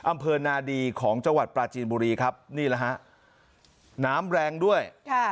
อำเภอนาดีของจังหวัดปลาจีนบุรีครับนี่แหละฮะน้ำแรงด้วยค่ะ